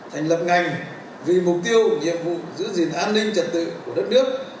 thành lập ngành vì mục tiêu nhiệm vụ giữ gìn an ninh trật tự của đất nước